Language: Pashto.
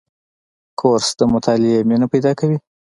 کورس د مطالعې مینه پیدا کوي.